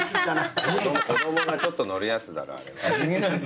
子供がちょっと乗るやつだろあれは。